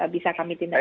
bisa kami tindakan